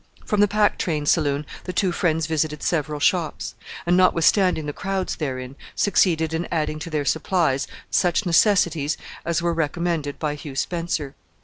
From the Pack Train Saloon the two friends visited several shops, and, notwithstanding the crowds therein, succeeded in adding to their supplies such necessities as were recommended by Hugh Spencer.